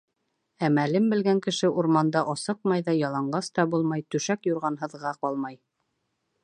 Әмәлен белгән кеше урманда асыҡмай ҙа, яланғас та булмай, түшәк-юрғанһыҙға ҡалмай.